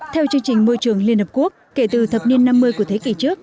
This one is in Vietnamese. theo chương trình môi trường liên hợp quốc kể từ thập niên năm mươi của thế kỷ trước